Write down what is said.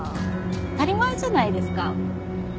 当たり前じゃないですか。